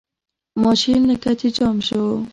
ماشین لکه چې جام شو.